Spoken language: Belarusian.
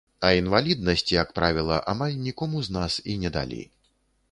А інваліднасць, як правіла, амаль нікому з нас і не далі.